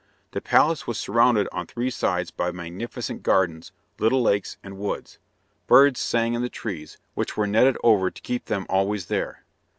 The palace was surrounded on three sides by magnificent gardens, little lakes, and woods. Birds sang in the trees, which were netted over to keep them always there.